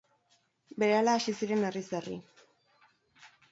Berehala hasi ziren herriz herri.